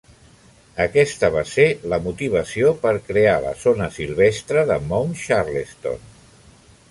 Aquesta va ser la motivació per crear la zona silvestre de Mount Charleston.